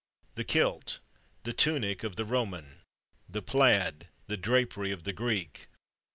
The kilt! the tunic of the Roman ! The plaid, the drapery of the Greek